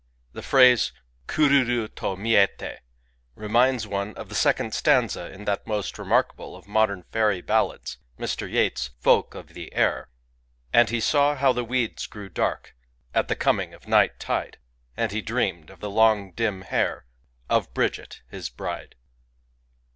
The phrase kururu to miete reminds one of the second stanta in that most remarkable of modem fiuiy ballads, Mr. Yeats* '* Folk of the Air :—" And he saw how the weeds grew dark At the coming of night tide ; And he dreamed of the long dim hair Of Bridget his bride.